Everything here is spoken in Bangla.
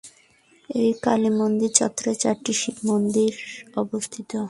এই কালীমন্দির চত্বরে চারটি শিবমন্দির অবস্থিত।